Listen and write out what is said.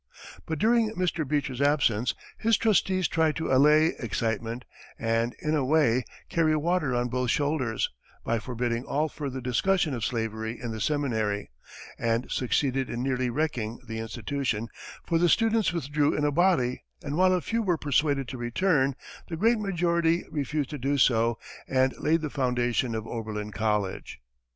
But during Mr. Beecher's absence, his trustees tried to allay excitement and, in a way, carry water on both shoulders, by forbidding all further discussion of slavery in the seminary, and succeeded in nearly wrecking the institution, for the students withdrew in a body, and while a few were persuaded to return, the great majority refused to do so and laid the foundation of Oberlin College.